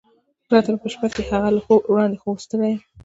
پرته په شپه کې، هغه هم له خوبه وړاندې، خو اوس ستړی وم.